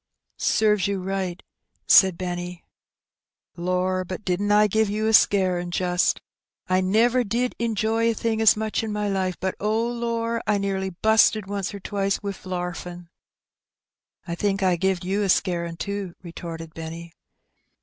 ''" Serves you right/' said Benny. ''Lor, but didn't I give you a scarin', just! I never did injoy a thing as much in my life; but^ oh^ lorl I nearly busted once or twice wi' larfin'." "I think I gived you a scarin' too/' retorted Benny.